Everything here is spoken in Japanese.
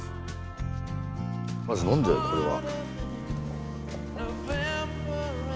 まず呑んじゃうこれは。